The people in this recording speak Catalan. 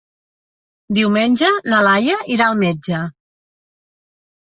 Diumenge na Laia irà al metge.